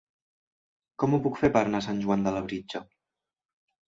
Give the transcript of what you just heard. Com ho puc fer per anar a Sant Joan de Labritja?